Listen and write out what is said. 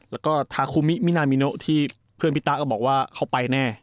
แล้วก็ทาคุมิมินามิโนที่เพื่อนพี่ตะก็บอกว่าเขาไปแน่